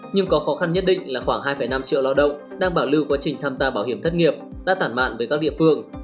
nhưng có khó khăn nhất định là khoảng hai năm triệu lao động đang bảo lưu quá trình tham gia bảo hiểm thất nghiệp đã tản mạn về các địa phương